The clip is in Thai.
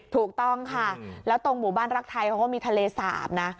ถูกต้องค่ะแล้วตรงหมู่บ้านรักไทยเขาก็มีทะเลสาบนะ